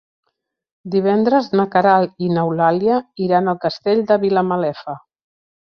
Divendres na Queralt i n'Eulàlia iran al Castell de Vilamalefa.